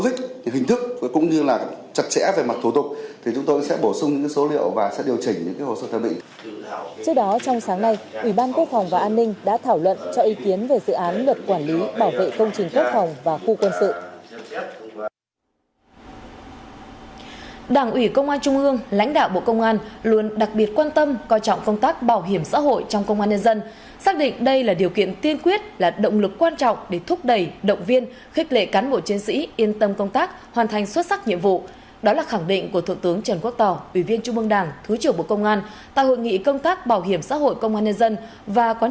chủ tịch quốc hội đề nghị ban lãnh đạo các chuyên gia huấn luyện viên cán bộ chuyên môn của trung tâm pvf luôn đặc biệt quan tâm coi trọng công tác này xác định đây là điều kiện tiên quyết đồng thời là động lực quan trọng để thúc đẩy động viên khích lệ cán bộ chiến sĩ yên tâm công tác hoàn thành xuất sắc nhiệm vụ bảo đảm an ninh trật tự và xây dựng lực lượng công an nhân dân